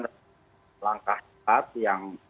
ada beberapa langkah yang